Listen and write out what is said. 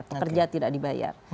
pekerja tidak dibayar